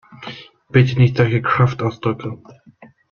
Bitte nicht solche Kraftausdrücke!